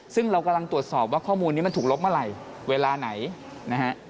ซึ่งเรากำลังตรวจสอบว่าข้อมูลนี้มันถูกลบเมื่อไหร่เวลาไหนนะฮะ